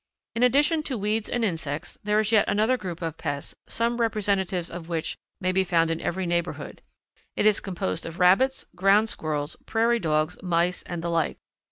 _ In addition to weeds and insects, there is yet another group of pests, some representatives of which may be found in every neighbourhood. It is composed of rabbits, ground squirrels, prairie dogs, mice, and the like.